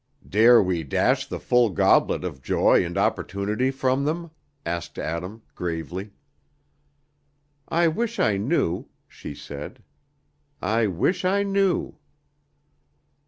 "Dare we dash the full goblet of joy and opportunity from them?" asked Adam, gravely. "I wish I knew," she said. "I wish I knew!"